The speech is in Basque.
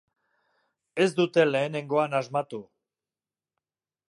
Ez dute lehenengoan asmatu.